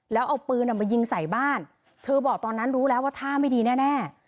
แล้วเอาปืนมายิงใส่บ้านเธอบอกตอนนั้นรู้แล้วว่าท่าไม่ดีแน่